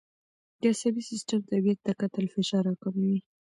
د عصبي سیستم طبیعت ته کتل فشار راکموي.